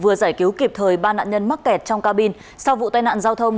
vừa giải cứu kịp thời ba nạn nhân mắc kẹt trong ca bin sau vụ tai nạn giao thông